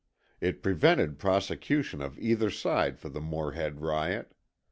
It prevented prosecution of either side for the Morehead riot.